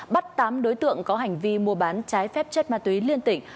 bắt tám đối tượng có hành vi mua bán trái phép chất ma túy liên tỉnh